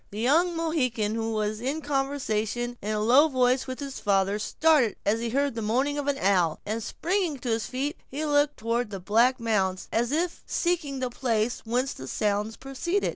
The young Mohican, who was conversing in a low voice with his father, started as he heard the moaning of an owl, and, springing on his feet, he looked toward the black mounds, as if seeking the place whence the sounds proceeded.